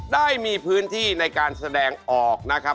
ได้มีพื้นที่ในการแสดงออกนะครับ